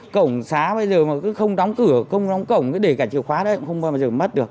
cổng xá bây giờ mà cứ không đóng cửa không đóng cổng cứ để cả chìa khóa đấy cũng không bao giờ mất được